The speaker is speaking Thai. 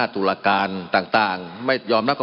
มันมีมาต่อเนื่องมีเหตุการณ์ที่ไม่เคยเกิดขึ้น